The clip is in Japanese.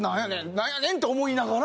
なんやねん！って思いながら。